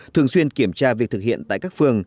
thường xuyên kiểm tra việc thực hiện tại các phường